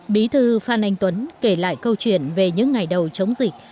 bí thư phan anh tuấn kể lại câu chuyện về những ngày đầu chống dịch